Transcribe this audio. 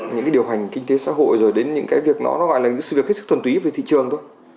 những cái điều hành kinh tế xã hội rồi đến những cái việc nó gọi là sự việc hết sức thuần túy về thị trường thôi